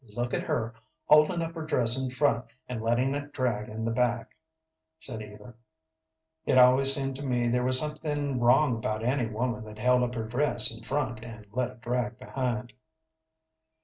"Look at her holding up her dress in front and letting it drag in the back," said Eva. "It always seemed to me there was somethin' wrong about any woman that held up her dress in front and let it drag behind."